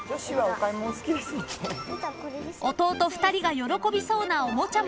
［弟２人が喜びそうなおもちゃも購入し